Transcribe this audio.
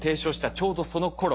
ちょうどそのころ